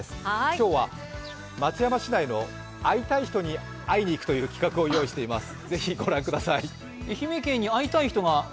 今日は松山市内の会いたい人に会いに行くという企画を用意しています。